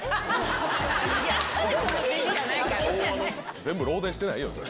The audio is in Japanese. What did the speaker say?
全部、漏電してないよ。